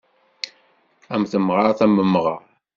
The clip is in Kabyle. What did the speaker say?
Am temɣart am umɣar.